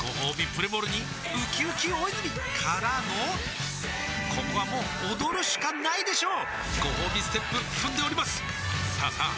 プレモルにうきうき大泉からのここはもう踊るしかないでしょうごほうびステップ踏んでおりますさあさあ